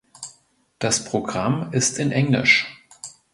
Das Programm ist in Englisch.